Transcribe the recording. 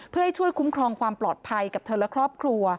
เพื่อให้ช่วยคุ้มครองความปลอดภัยกับเธอและครอบครัว